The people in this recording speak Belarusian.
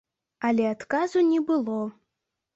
Але адказу не было.